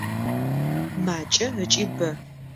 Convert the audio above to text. Макӏэ ыкӏи бэ.